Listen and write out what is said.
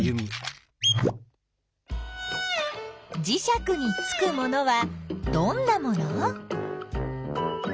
じしゃくにつくものはどんなもの？